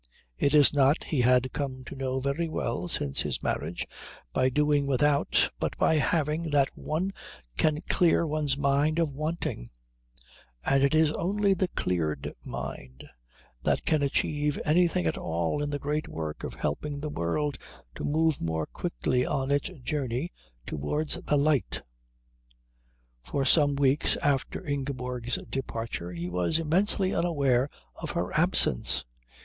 It is not, he had come to know very well since his marriage, by doing without but by having that one can clear one's mind of wanting; and it is only the cleared mind that can achieve anything at all in the great work of helping the world to move more quickly on its journey towards the light. For some weeks after Ingeborg's departure he was immensely unaware of her absence.